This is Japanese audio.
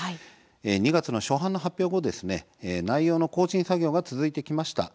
２月の初版の発表後内容の更新作業が続いてきました。